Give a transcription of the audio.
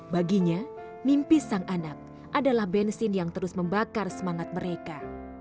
baginya mimpi sang anak adalah bensin yang terus membakar semangat mereka